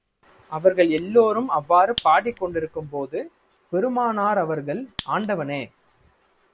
அவர்கள் எல்லோரும் அவ்வாறு பாடிக் கொண்டிருக்கும் போது, பெருமானார் அவர்கள், ஆண்டவனே!